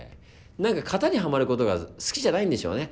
何か型にはまることが好きじゃないんでしょうね